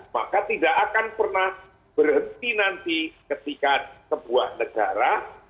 maka tidak akan pernah berhenti nanti ketika sebuah negara